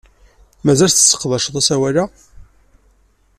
Mazal tesseqdac asawal-a?